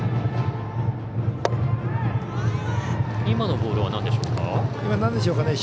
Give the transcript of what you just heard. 今のボールはなんでしょうか。